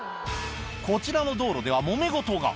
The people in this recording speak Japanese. こちらの道路では、もめ事が。